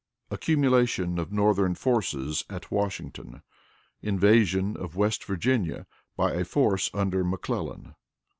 Accumulation of Northern Forces at Washington. Invasion of West Virginia by a Force under McClellan.